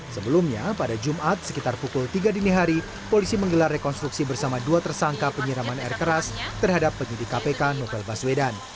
sebelumnya pada jumat sekitar pukul tiga dini hari polisi menggelar rekonstruksi bersama dua tersangka penyiraman air keras terhadap penyidik kpk novel baswedan